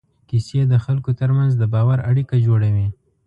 کیسې د خلکو تر منځ د باور اړیکه جوړوي.